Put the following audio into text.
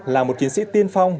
là một chiến sĩ tiên phong